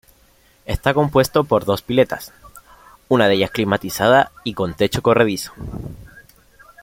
Está compuesto por dos piletas, una de ellas climatizada y con techo corredizo.